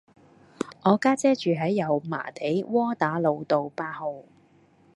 我家姐住喺油麻地窩打老道八號